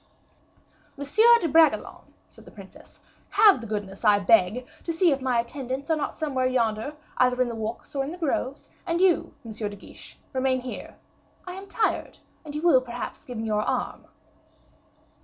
"Monsieur de Bragelonne," said the princess, "have the goodness, I beg, to see if my attendants are not somewhere yonder, either in the walks or in the groves; and you, M. de Guiche, remain here: I am tired, and you will perhaps give me your arm."